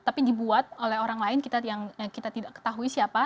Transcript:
tapi dibuat oleh orang lain yang kita tidak ketahui siapa